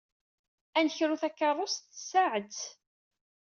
Ad nekru takeṛṛust s tsaɛet.